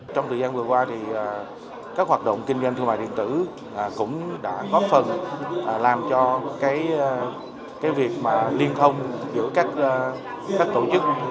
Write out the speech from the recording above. trong thời gian vừa qua thì các hoạt động kinh doanh thương mại điện tử cũng đã góp phần làm cho việc liên thông giữa các tổ chức